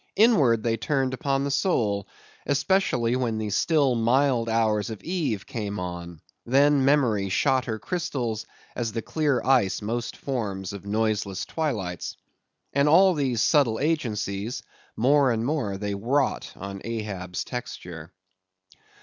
Inward they turned upon the soul, especially when the still mild hours of eve came on; then, memory shot her crystals as the clear ice most forms of noiseless twilights. And all these subtle agencies, more and more they wrought on Ahab's texture.